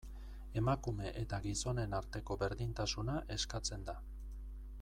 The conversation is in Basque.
Emakume eta gizonen arteko berdintasuna eskatzen da.